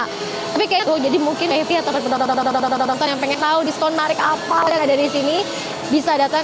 tapi kayaknya jadi mungkin mie sri atau orang orang yang pengen tahu diskon marik apa yang ada di sini bisa datang